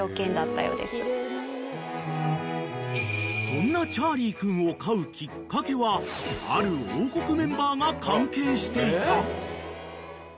［そんなチャーリー君を飼うきっかけはある王国メンバーが関係していた］